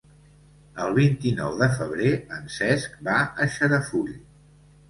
El vint-i-nou de febrer en Cesc va a Xarafull.